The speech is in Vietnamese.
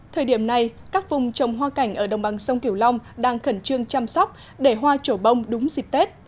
thời điểm này các vùng trồng hoa cảnh ở đồng bằng sông kiểu long đang khẩn trương chăm sóc để hoa trổ bông đúng dịp tết